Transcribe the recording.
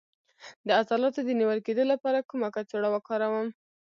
د عضلاتو د نیول کیدو لپاره کومه کڅوړه وکاروم؟